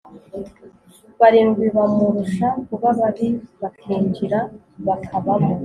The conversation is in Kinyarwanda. barindwi bamurusha kuba babi bakinjira bakabamo